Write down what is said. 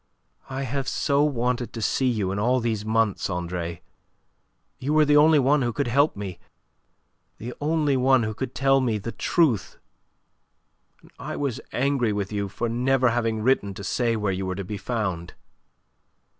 "I have so wanted to see you in all these months, Andre. You were the only one who could help me; the only one who could tell me the truth, and I was angry with you for never having written to say where you were to be found."